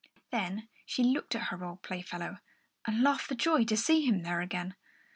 Then she looked at her old playfellow and laughed for joy to see him there again.